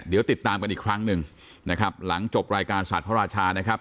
เดี๋ยวติดตามกันอีกครั้งหนึ่งนะครับหลังจบรายการศาสตร์พระราชานะครับ